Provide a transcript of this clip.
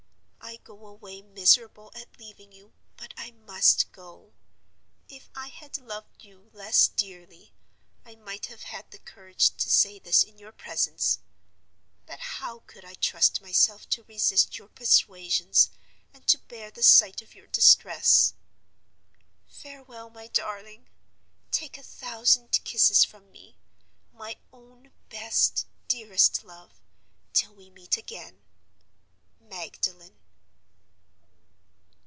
I go away miserable at leaving you; but I must go. If I had loved you less dearly, I might have had the courage to say this in your presence—but how could I trust myself to resist your persuasions, and to bear the sight of your distress? Farewell, my darling! Take a thousand kisses from me, my own best, dearest love, till we meet again. "MAGDALEN."